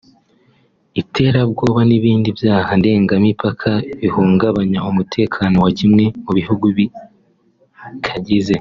iterabwoba n’ibindi byaha ndengamipaka bihungabanya umutekano wa kimwe mu bihugu bikagize